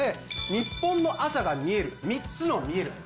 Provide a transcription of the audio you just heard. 「ニッポンの朝がみえる３つのみえる！」